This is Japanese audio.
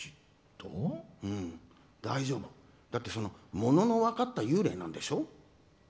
大丈夫、だってものの分かった幽霊なんでしょ？